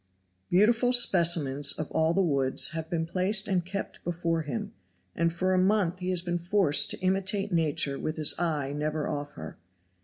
Beautiful specimens of all the woods have been placed and kept before him, and for a month he has been forced to imitate nature with his eye never off her.